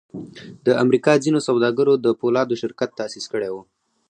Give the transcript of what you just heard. د امریکا ځینو سوداګرو د پولادو شرکت تاسیس کړی و